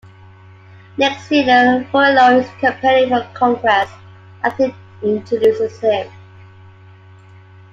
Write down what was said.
Next year Fiorello is campaigning for Congress, and Thea introduces him.